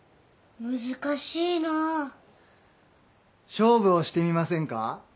勝負をしてみませんか？